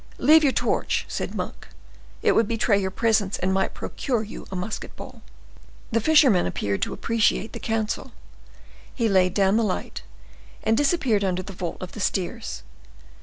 "Leave your torch," said Monk; "it would betray your presence, and might procure you a musket ball." The fisherman appeared to appreciate the counsel; he laid down the light, and disappeared under the vault of the stairs.